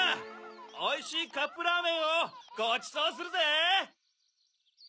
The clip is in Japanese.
おいしいカップラーメンをごちそうするぜ！